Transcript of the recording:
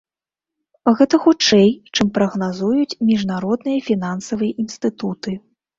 Гэта хутчэй, чым прагназуюць міжнародныя фінансавыя інстытуты.